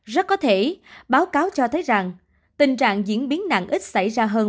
rất có thể báo cáo cho thấy rằng tình trạng diễn biến nặng ít xảy ra hơn